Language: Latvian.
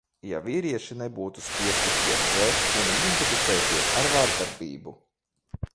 Ja vīrieši nebūtu spiesti pieredzēt un identificēties ar vardarbību.